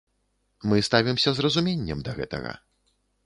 Мы ставімся з разуменнем да гэтага.